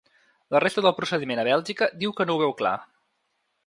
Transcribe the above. La resta del procediment a Bèlgica diu que no ho veu clar.